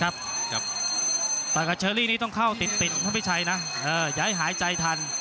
แต่ว่าเชอรี่นี่ต้องเข้าติดไม่ใช่นะอย่าให้หายใจทัน